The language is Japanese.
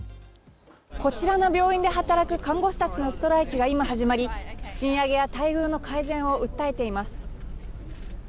こちらの病院で働く看護師たちのストライキが今、始まり賃上げや待遇の改善を訴えています。